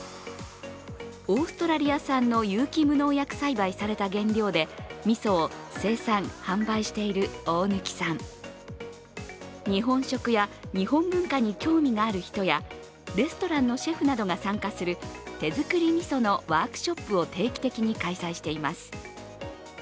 オーストラリア産の有機無農薬栽培された原料でみそを生産・販売している大貫さん日本食や日本文化に興味がある人やレストランのシェフなどが参加する手作りみそのワークショップを定期的に開催しています。